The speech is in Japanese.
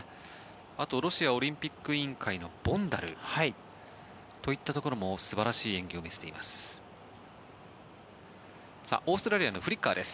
あとロシアオリンピック委員会のボンダルといったところも素晴らしい演技を見せています。